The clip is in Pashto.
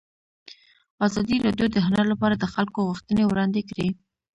ازادي راډیو د هنر لپاره د خلکو غوښتنې وړاندې کړي.